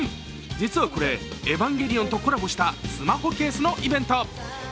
実はこれ、「エヴァンゲリオン」とコラボしたスマホケースのイベント。